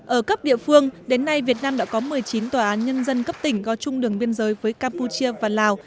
ở cấp địa phương đến nay việt nam đã có một mươi chín tòa án nhân dân cấp tỉnh có chung đường biên giới với campuchia và lào